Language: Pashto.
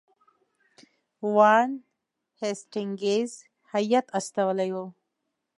وارن هیسټینګز هیات استولی وو.